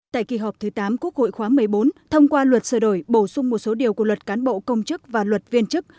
tại kỳ họp thứ tám quốc hội khóa một mươi bốn thông qua luật sửa đổi bổ sung một số điều của luật cán bộ công chức và luật viên chức